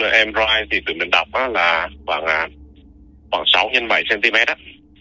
cái kích thước trên em rai thì tụi mình đọc là khoảng sáu x bảy cm á